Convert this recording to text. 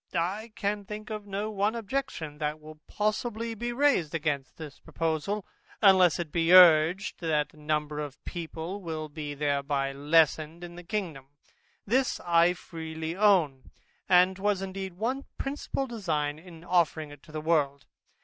I can think of no one objection, that will possibly be raised against this proposal, unless it should be urged, that the number of people will be thereby much lessened in the kingdom. This I freely own, and was indeed one principal design in offering it to the world.